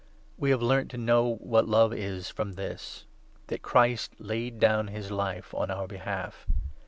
We have learnt to know what love is from this — that 16 Christ laid down his life on our behalf.